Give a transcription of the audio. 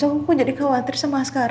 aku jadi khawatir sama sekali